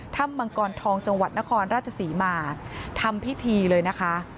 มังกรทองจังหวัดนครราชศรีมาทำพิธีเลยนะคะ